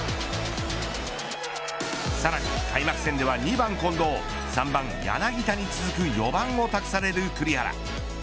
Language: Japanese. さらに開幕戦では、２番近藤３番柳田に続く４番を託される栗原。